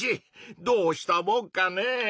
どうしたもんかねぇ。